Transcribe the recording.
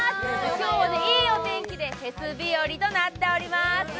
今日はいいお天気で、フェス日和となっております。